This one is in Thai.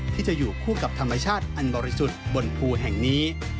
ที่จะอยู่คู่กับธรรมชาติอันบริสุทธิ์บนภูแห่งนี้